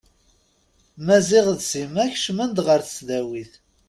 Maziɣ d Sima kecmen-d ɣer tesdawit.